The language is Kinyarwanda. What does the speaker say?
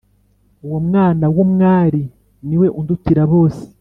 uwo mwana w’umwari niwe undutira bose